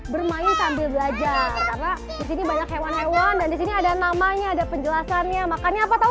bermain sambil belajar karena disini banyak hewan hewan dan disini ada namanya ada penjelasannya makannya apa tahu